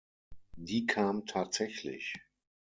Die kam tatsächlich.